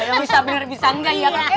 ya bisa bener bisa enggak ya pak